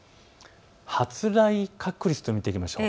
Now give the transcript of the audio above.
発雷確率を見ていきましょう。